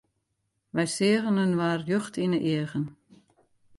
Wy seagen inoar rjocht yn 'e eagen.